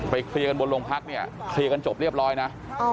เคลียร์กันบนโรงพักเนี่ยเคลียร์กันจบเรียบร้อยนะ